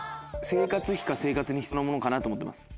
生活費か生活に必要なものかなと思ってます。